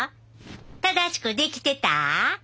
正しくできてた？